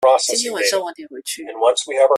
今天晚上晚點回去